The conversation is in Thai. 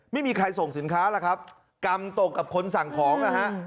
ไม่มีใครส่งสินค้าล่ะครับกรรมตกกับคนสั่งของนะฮะ